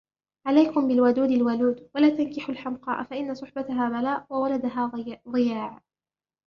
عَلَيْكُمْ بِالْوَدُودِ الْوَلُودِ وَلَا تَنْكِحُوا الْحَمْقَاءَ فَإِنَّ صُحْبَتَهَا بَلَاءٌ وَوَلَدَهَا ضِيَاعٌ